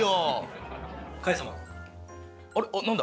あれ何だ？